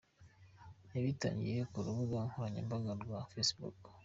Yabitangarije ku rubuga nkoranyambaga rwa Facebook.